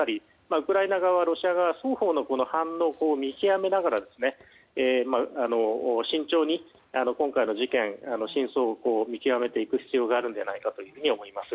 ウクライナ側、ロシア側双方の反応を見極めながら慎重に今回の事件の真相を見極めていく必要があるのではと思います。